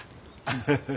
ハハハ。